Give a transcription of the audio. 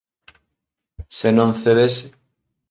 Se non cedese...